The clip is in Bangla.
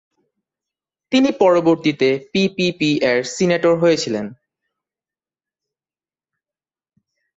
তিনি পরবর্তীতে পিপিপি এর সিনেটর হয়েছিলেন।